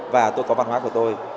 và tôi có văn hóa của tôi